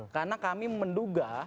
karena kami menduga